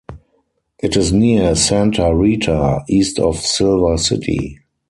It is near Santa Rita, east of Silver City.